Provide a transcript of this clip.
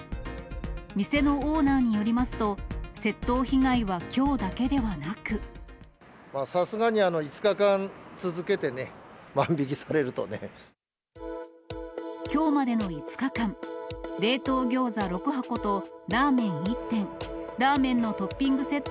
店のオーナーによりますと、さすがに５日間続けてね、きょうまでの５日間、冷凍ギョーザ６箱とラーメン１点、ラーメンのトッピングセット